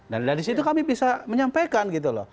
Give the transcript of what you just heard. dan dari situ kami bisa menyampaikan gitu loh